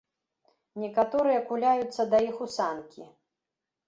Некаторыя куляюцца да іх у санкі.